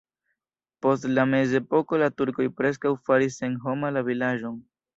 Post la mezepoko la turkoj preskaŭ faris senhoma la vilaĝon.